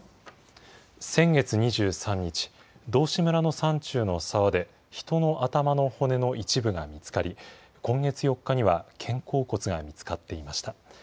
先月２３日、道志村の山中の沢で、人の頭の骨の一部が見つかり、今月４日には、肩甲骨が見つかっていました。